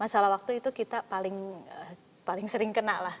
masalah waktu itu kita paling sering kena lah